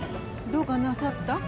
どうかなさった？